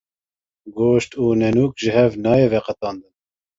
Goşt û nenûk ji hev nayên qetandin.